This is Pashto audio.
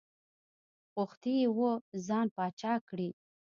غوښتي یې وو ځان پاچا کړي.